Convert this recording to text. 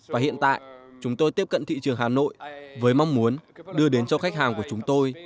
và hiện tại chúng tôi tiếp cận thị trường hà nội với mong muốn đưa đến cho khách hàng của chúng tôi